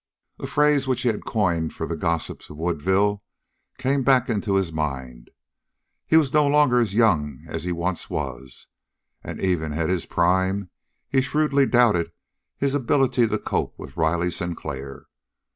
A phrase which he had coined for the gossips of Woodville, came back into his mind. He was no longer as young as he once was, and even at his prime he shrewdly doubted his ability to cope with Riley Sinclair.